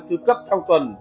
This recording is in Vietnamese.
thứ cấp trong tuần